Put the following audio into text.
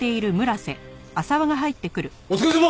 お疲れさま！